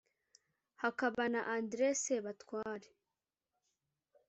hakaba na andré sebatware,